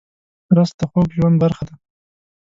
رس د خوږ ژوند برخه ده